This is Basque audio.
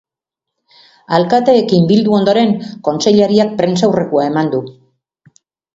Alkateekin bildu ondoren, kontseilariak prentsaurrekoa eman du.